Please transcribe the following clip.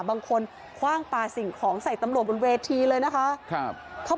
บางคนคว่างปลาสิ่งของใส่ตำรวจบนเวทีเลยนะคะครับ